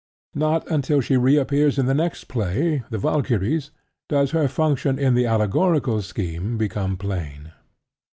Not until she reappears in the next play (The Valkyries) does her function in the allegorical scheme become plain.